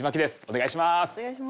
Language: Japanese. お願いします。